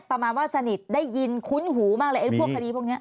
ประมาณว่าสนิทได้ยินคุ้นหูมากเลยไอ้พวกคดีพวกนี้